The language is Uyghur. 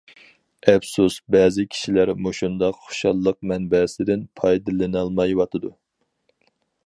ئەپسۇس بەزى كىشىلەر مۇشۇنداق خۇشاللىق مەنبەسىدىن پايدىلىنالمايۋاتىدۇ.